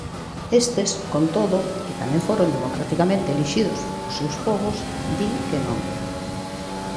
Estes, con todo, que tamén foron democraticamente elixidos os seus pobos, din que non.